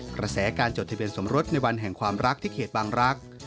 กระแสการจดทะเบียนสมรสในวันแห่งความรักที่เขตบางรักษ์